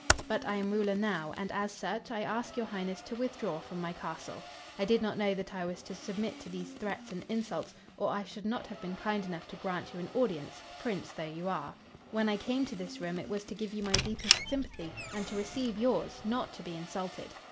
"But I am ruler now, and, as such, I ask your Highness to withdraw from my castle. I did not know that I was to submit to these threats and insults, or I should not have been kind enough to grant you an audience, Prince though you are. When I came to this room it was to give you my deepest sympathy and to receive yours, not to be insulted.